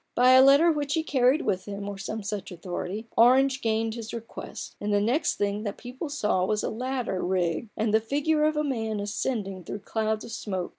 By a letter which he carried with him, or some such authority, Orange gained his request ; and the next thing that the people saw was a ladder rigged, and the figure of a man ascending through clouds of smoke.